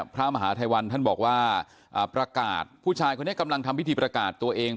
พระมหาทัยวันท่านบอกว่าประกาศผู้ชายคนนี้กำลังทำพิธีประกาศตัวเอง